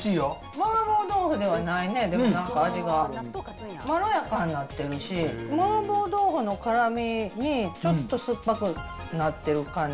麻婆豆腐ではないね、でもなんか味がまろやかになってるし、麻婆豆腐の辛味にちょっと酸っぱくなってる感じ。